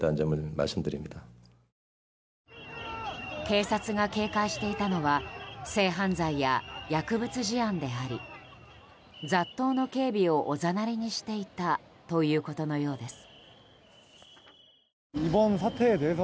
警察が警戒していたのは性犯罪や薬物事案であり雑踏の警備をおざなりにしていたということのようです。